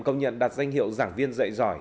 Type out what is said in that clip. công nhận đạt danh hiệu giảng viên dạy giỏi